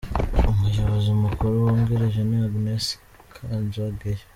Umuyobozi mukuru wungirije ni Agnès Kanyangeyo.